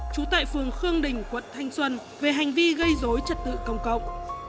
trú tại phường khương đình quận thanh xuân về hành vi gây dối trật tự công cộng